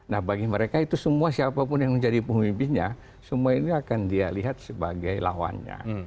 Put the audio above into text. nah bagi mereka itu semua siapapun yang menjadi pemimpinnya semua ini akan dia lihat sebagai lawannya